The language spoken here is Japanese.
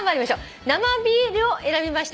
「生ビール」を選びました